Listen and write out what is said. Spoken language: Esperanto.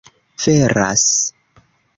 veras